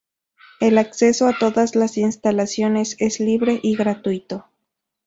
El acceso a todas las instalaciones es libre y gratuito.